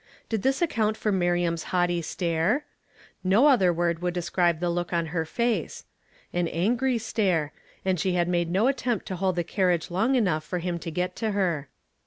Did this account for Miriam's hauglity stare ?— no other word would describe the look upon her face. An angry stare, and she had made no attempt to hold the carriage long enough for him to get to her.